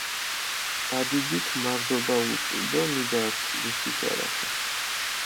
ბადიდიქ მარდობა უწუ დო მიდართჷ მუში შარაშა.